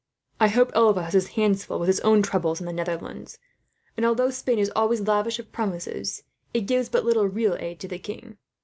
I hope Alva has his hands full with his own troubles, in the Netherlands; and although Spain is always lavish of promises, it gives but little real aid to the king.